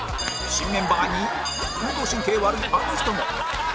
新メンバーに運動神経悪いあの人も